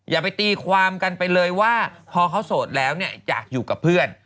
อย่าไปตีความกันไปเลยว่าพอเขาโสดแล้วเนี่ยอยากอยู่กับเพื่อน